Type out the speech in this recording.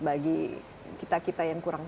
bagi kita kita yang kurang